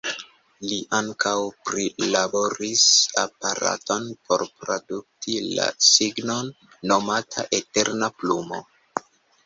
Li ankaŭ prilaboris aparaton por produkti la signon, nomata „eterna plumo”.